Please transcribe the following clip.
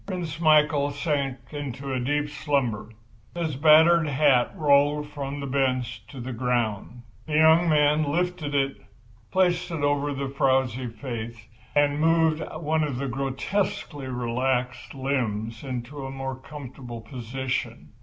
Prince Michael sank into deep slumber. His battered hat rolled from the bench to the ground. The young man lifted it, placed it over the frowsy face and moved one of the grotesquely relaxed limbs into a more comfortable position.